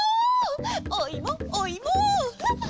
おいもおいも！